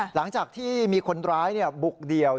หลังจากที่มีคนร้ายบุกเดี่ยว